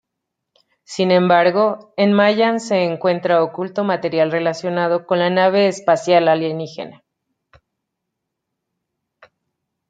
Sin embargo, en Mayan se encuentra oculto material relacionado con la nave espacial alienígena.